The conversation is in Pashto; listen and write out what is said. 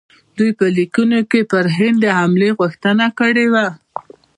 دوی په لیکونو کې پر هند د حملې غوښتنه کړې وه.